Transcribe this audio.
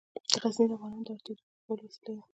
غزني د افغانانو د اړتیاوو د پوره کولو وسیله ده.